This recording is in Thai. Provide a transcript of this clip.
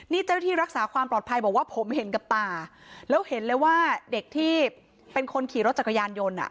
นี่เจ้าที่รักษาความปลอดภัยบอกว่าผมเห็นกับตาแล้วเห็นเลยว่าเด็กที่เป็นคนขี่รถจักรยานยนต์อ่ะ